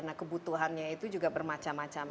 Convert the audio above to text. nah kebutuhannya itu juga bermacam macam